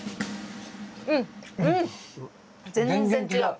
うんうん全然違う。